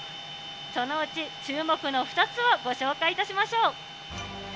そのうち注目の２つをご紹介いたしましょう。